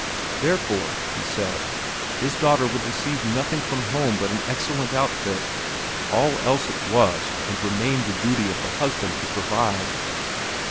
Therefore, he said, his daughter would receive nothing from home but an excellent outfit; all else it was and remained the duty of the husband to provide.